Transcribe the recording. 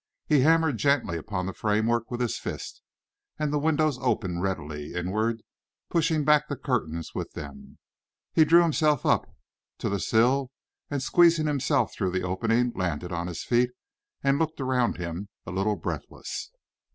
He hammered gently upon the framework with his fist, and the windows opened readily inwards, pushing back the curtain with them. He drew himself up on to the sill, and, squeezing himself through the opening, landed on his feet and looked around him, a little breathless.